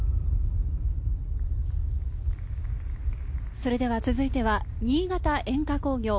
それでは続いては、新潟煙火工業。